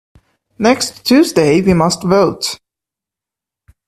Next Tuesday we must vote.